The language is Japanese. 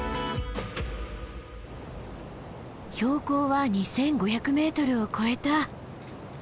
標高は２，５００ｍを越えた。